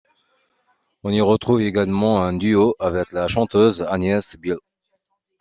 On y retrouve également un duo avec la chanteuse Agnès Bihl.